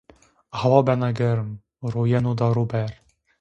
Hawa bena germ, ro yeno dar u ber.